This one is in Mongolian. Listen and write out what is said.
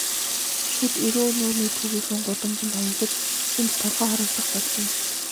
Шүд эрүү нүүрний төвийнхөн гудамжинд хаягдаж, энд толгой хоргодох болжээ.